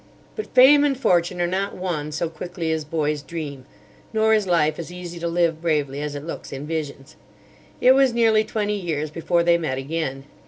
"But fame and fortune are not won so quickly as boys dream, nor is life as easy to live bravely as it looks in visions. It was nearly twenty years before they met again.